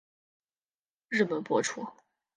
日本播出。